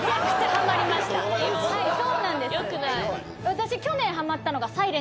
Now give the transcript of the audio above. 私。